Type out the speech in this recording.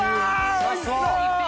おいしそう！